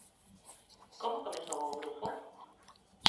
Como comezou o grupo?